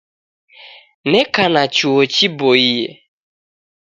Nika na chuo chiboie.